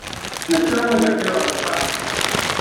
Nessa agertil ɣer lqaɛa.